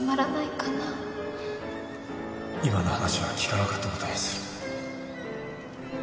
今の話は聞かなかった事にする。